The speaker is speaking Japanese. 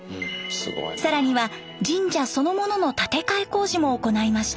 更には神社そのものの建て替え工事も行いました。